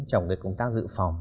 trong cái công tác dự phòng